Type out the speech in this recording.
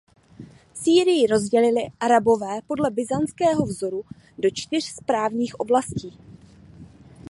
Sýrii rozdělili Arabové podle byzantského vzoru do čtyř správních oblastí.